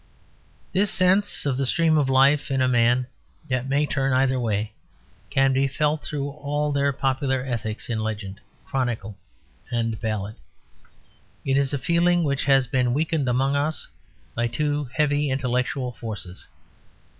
This sense of the stream of life in a man that may turn either way can be felt through all their popular ethics in legend, chronicle, and ballad. It is a feeling which has been weakened among us by two heavy intellectual forces.